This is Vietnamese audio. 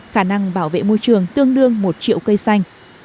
khả năng bảo vệ môi trường tương đương một triệu cây xanh